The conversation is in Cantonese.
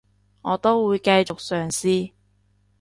我都會繼續嘗試